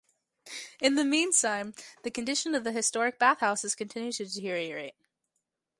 In the mean time, the condition of the historic bathhouses continue to deteriorate.